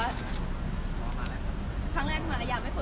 แต่เราเห็นแต่ลูกลูกเราอ่ะโพสต์ลงอยู่ในเฟซบุ๊คของคุณป้าเขา